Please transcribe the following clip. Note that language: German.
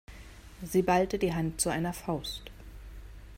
Sie ballte die Hand zu einer Faust.